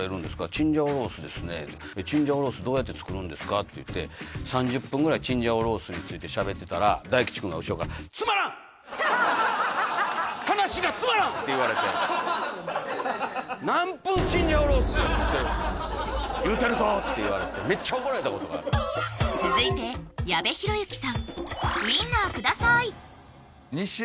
「チンジャオロースですね」って「チンジャオロースどうやって作るんですか？」って言って３０分ぐらいチンジャオロースについてしゃべってたら大吉君が後ろから話がつまらん！って言われてって言われてめっちゃ怒られたことがある続いて矢部浩之さん「ウインナーください！」